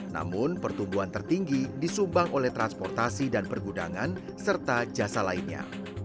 namun pertumbuhan tertinggi disumbang oleh transportasi dan pergudangan serta jasa lainnya